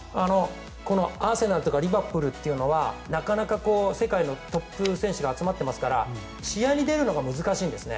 アーセナルとかリバプールというのはなかなか世界のトップ選手が集まってますから試合に出るのが難しいんですね。